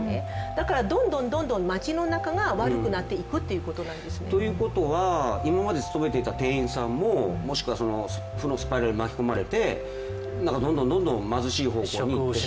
だから、どんどん街の中が悪くなっていくということなんですね。ということは、今まで勤めていた店員さんももしくは負のスパイラルに巻き込まれてどんどん貧しい方向に？